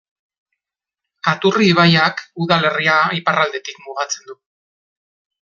Aturri ibaiak udalerria iparraldetik mugatzen du.